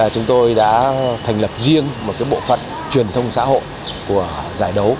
chúng tôi đã thành lập riêng một bộ phận truyền thông xã hội của giải đấu